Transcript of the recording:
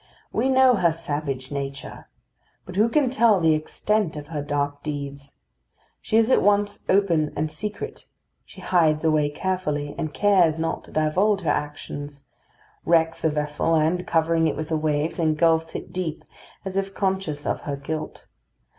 We know her savage nature, but who can tell the extent of her dark deeds? She is at once open and secret; she hides away carefully, and cares not to divulge her actions; wrecks a vessel, and, covering it with the waves, engulfs it deep, as if conscious of her guilt.